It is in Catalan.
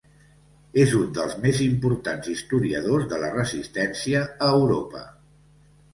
És un dels més importants historiadors de la Resistència a Europa.